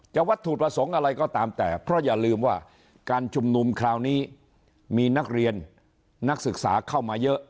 วัตถุประสงค์อะไรก็ตามแต่เพราะอย่าลืมว่าการชุมนุมคราวนี้มีนักเรียนนักศึกษาเข้ามาเยอะ